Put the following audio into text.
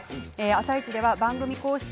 「あさイチ」では番組公式